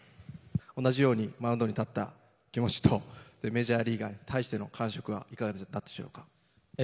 同じようにマウンドに立った気持ちとメジャーリーガーに対しての感触はいかがでしたか。